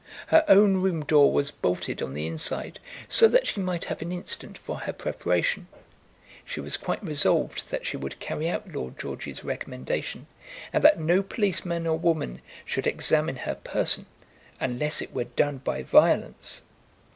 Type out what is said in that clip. Her own room door was bolted on the inside, so that she might have an instant for her preparation. She was quite resolved that she would carry out Lord George's recommendation, and that no policeman or woman should examine her person, unless it were done by violence.